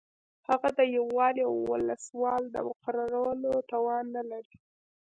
هغه د یو والي او ولسوال د مقررولو توان نه لري.